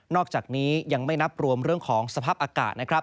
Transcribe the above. อกจากนี้ยังไม่นับรวมเรื่องของสภาพอากาศนะครับ